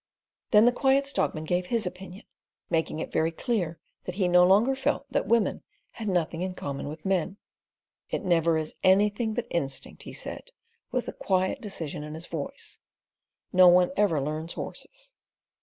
'" Then the Quiet Stockman gave his opinion, making it very clear that he no longer felt that women had nothing in common with men. "It never is anything but instinct," he said, with quiet decision in his voice. "No one ever learns horses."